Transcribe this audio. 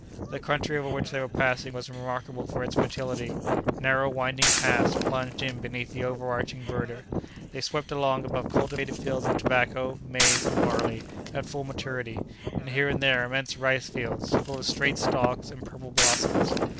The country over which they were passing was remarkable for its fertility. Narrow, winding paths plunged in beneath the overarching verdure. They swept along above cultivated fields of tobacco, maize, and barley, at full maturity, and here and there immense rice fields, full of straight stalks and purple blossoms.